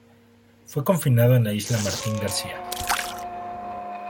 Fue confinado en la isla Martín García.